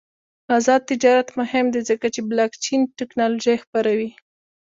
آزاد تجارت مهم دی ځکه چې بلاکچین تکنالوژي خپروي.